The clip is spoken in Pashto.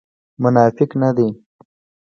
منافق نه دی.